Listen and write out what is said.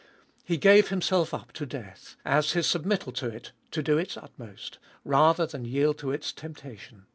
He gave Himself up to death, as His submittal to it to do its utmost, rather than yield to its temptation.